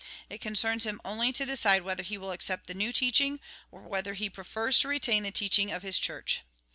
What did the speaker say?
It concerns him only to decide whether he will accept the new teaching, or whether he prefers to retain the teaching of his Church.